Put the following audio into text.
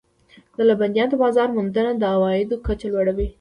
د لبنیاتو بازار موندنه د عوایدو کچه لوړوي.